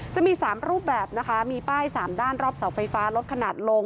จะมี๓รูปแบบนะคะมีป้าย๓ด้านรอบเสาไฟฟ้าลดขนาดลง